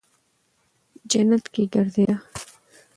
جنت کې گرځېده.